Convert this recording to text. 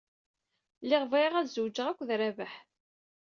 Lliɣ bɣiɣ ad zewǧeɣ akked Rabaḥ.